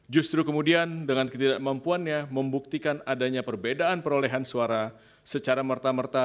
justru kemudian dengan ketidakmampuannya membuktikan adanya perbedaan perolehan suara secara merta merta